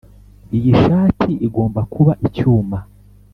iyi shati igomba kuba icyuma.